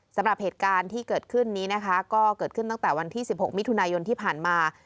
สำหรับเหตุการณ์ที่เกิดขึ้นนี้นะคะก็เกิดขึ้นตั้งแต่วันที่๑๖มิถุนายนที่ผ่านมา